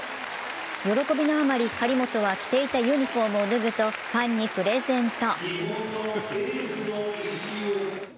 喜びのあまり、張本は着ていたユニフォームを脱ぐとファンにプレゼント。